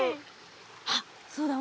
あっそうだ。